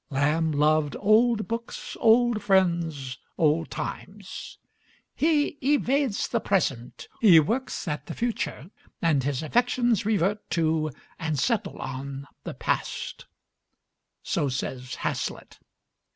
Lamb loved old books, old friends, old times; "he evades the present, he works at the future, and his affections revert to and settle on the past," so says Hazlitt.